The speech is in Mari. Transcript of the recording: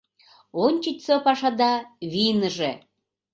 Ончычсо пашада вийныже.